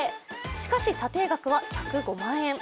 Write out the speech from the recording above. しかし査定額は１０５万円。